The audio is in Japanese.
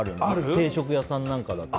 定食屋さんとかだと。